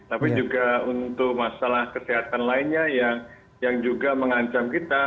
tapi juga untuk masalah kesehatan lainnya yang juga mengancam kita